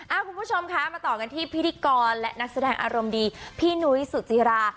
คุณผู้ชมคะมาต่อกันที่พิธีกรและนักแสดงอารมณ์ดีพี่นุ้ยสุจิรา